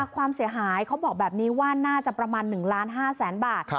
ความเสียหายเขาบอกแบบนี้ว่าน่าจะประมาณ๑ล้าน๕แสนบาท